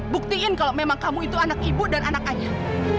buktiin kalau memang kamu itu anak ibu dan anak anyam